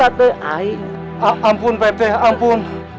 ampun pak rt ampun